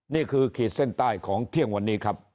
ขีดเส้นใต้ของเที่ยงวันนี้ครับ